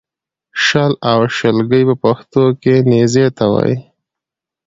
شل او شلګی په پښتو کې نېزې ته وایې